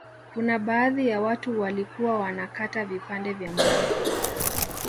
Kuna baadhi ya watu walikuwa wanakata vipande vya mlango